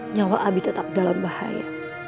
nyawa abi tetap dalam bahaya